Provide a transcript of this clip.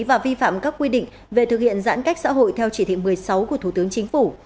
và vi phạm các quy định về thực hiện giãn cách xã hội theo chỉ thị một mươi sáu của thủ tướng chính phủ